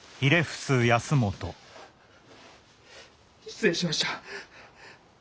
失礼しました。